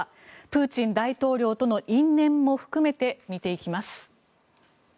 プーチン大統領との因縁も含めて見ていきます。